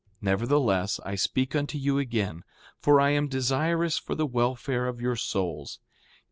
6:3 Nevertheless, I speak unto you again; for I am desirous for the welfare of your souls.